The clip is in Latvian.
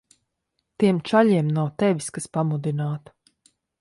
Tiem čaļiem nav tevis, kas pamudinātu.